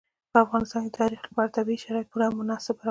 په افغانستان کې د تاریخ لپاره طبیعي شرایط پوره مناسب او برابر دي.